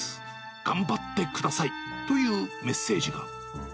頑張ってくださいというメッセージが。